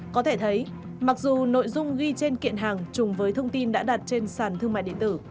có thể thấy mặc dù nội dung ghi trên kiện hàng chung với thông tin đã đặt trên sàn thương mại điện tử